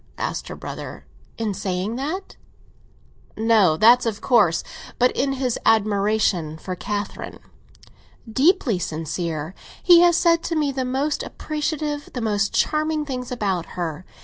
asked her brother. "In saying that?" "No; that's of course. But in his admiration for Catherine?" "Deeply sincere. He has said to me the most appreciative, the most charming things about her.